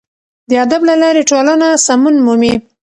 د ادب له لارې ټولنه سمون مومي.